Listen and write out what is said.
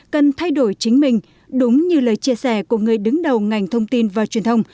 cần thay đổi chính mình đúng như lời chia sẻ của người đứng đầu ngành thông tin và truyền thông